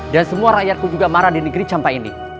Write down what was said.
dan semua rakyatku juga marah di negeri campak ini